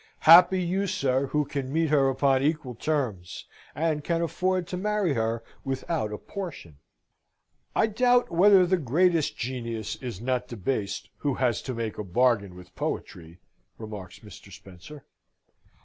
Happy you, sir, who can meet her upon equal terms, and can afford to marry her without a portion!" "I doubt whether the greatest genius is not debased who has to make a bargain with Poetry," remarks Mr. Spencer.